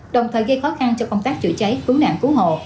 đồng thời gây khó khăn cho công tác chữa cháy khu nạn cú hộ